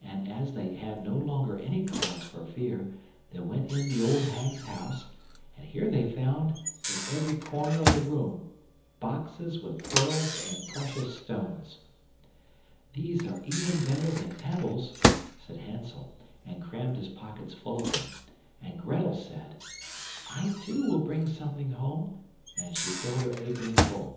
And as they had no longer any cause for fear, they went in the old hag's house, and here they found, in every corner of the room, boxes with pearls and precious stones. "These are even better than pebbles," said Hansel, and crammed his pockets full of them; and Grettel said: "I too will bring something home," and she filled her apron full.